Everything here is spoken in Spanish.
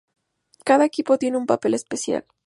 Cada equipo tiene un papel especial.